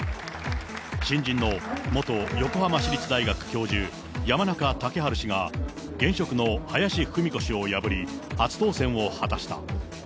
新人の元横浜市立大学教授、山中竹春氏が現職の林文子氏を破り、初当選を果たした。